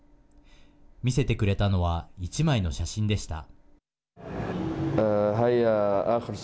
見せてくれたのは１枚の写真でした。